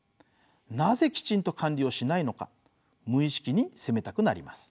なぜきちんと管理をしないのか無意識に責めたくなります。